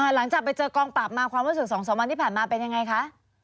หลังจากไปเจอกองปราบมาความรู้สึก๒๓วันที่ผ่านมาเป็นยังไงคะ